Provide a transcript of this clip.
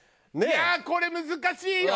いやあこれ難しいよ。